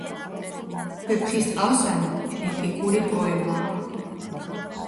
"ვეფხისტყაოსანი" ეპიკური პოემაა.